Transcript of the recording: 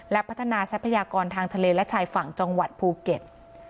และพัฒนาทรัพยากรทางทะเลและชายฝั่งจังหวัดภูเก็ต